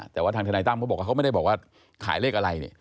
แต่ว่าทางทนายตั้มเขาบอกว่าเขาไม่ได้บอกว่าขายเลขอะไรเนี่ย